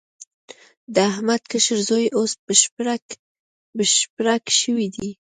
د احمد کشر زوی اوس بشپړک شوی دی.